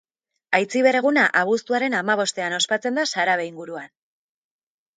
Aitziber eguna abuztuaren hamabostean ospatzen da Sarabe inguruan.